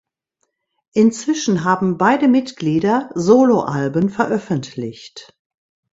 Inzwischen haben beide Mitglieder Soloalben veröffentlicht.